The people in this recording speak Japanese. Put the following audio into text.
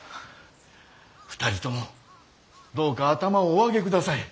２人ともどうか頭をお上げください。